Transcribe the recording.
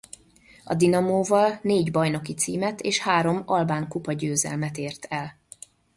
A Dinamóval négy bajnoki címet és három albánkupa-győzelmet ért el.